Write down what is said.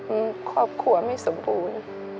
มีครอบครัวไม่สมบูรณ์